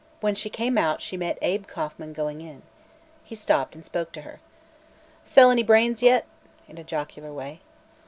When she came out she met Abe Kauffman going in. He stopped and spoke to her. "Sell any brains yet?" in a jocular way.